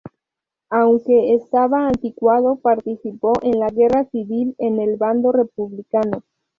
Aunque estaba anticuado, participó en la Guerra civil en el bando republicano.